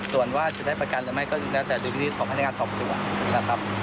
ส่วนว่าจะได้ประกันหรือไม่ก็แล้วแต่ดุลพินิษฐของพนักงานสอบสวนนะครับ